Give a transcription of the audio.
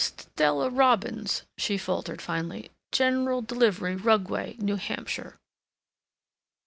"Stella Robbins," she faltered finally. "General Delivery, Rugway, New Hampshire."